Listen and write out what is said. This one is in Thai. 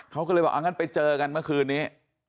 เขาก็เลยบอกงั้นไปเจอกันเมื่อคืนนี้